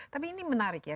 tapi ini menarik ya